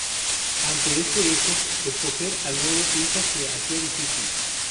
Ante este hecho, escoger al nuevo Inca se hacía difícil.